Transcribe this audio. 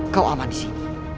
kau aman di sini